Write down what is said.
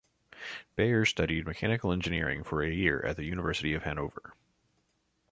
Baer studied mechanical engineering for a year at the University of Hanover.